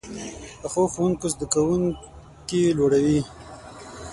پخو ښوونکو زده کوونکي لوړوي